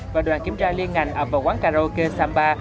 và đoàn kiểm tra liên ngành ập vào quán karaoke samba